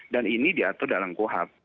dan ini diatur dalam kuhab